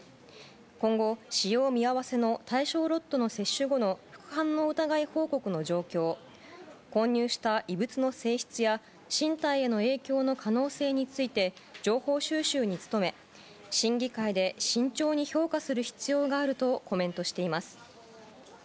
今後、使用見合わせの対象ロットの接種後の副反応疑い報告の状況混入した異物の性質や身体への影響の可能性について情報収集に努め審議会で慎重に評価する必要があるとコメントしています。